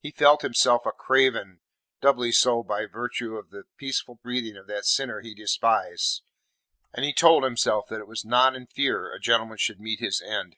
He felt himself a craven doubly so by virtue of the peaceful breathing of that sinner he despised and he told himself that it was not in fear a gentleman should meet his end.